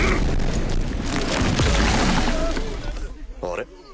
あれ？